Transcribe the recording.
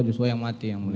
joshua yang mati yang mulia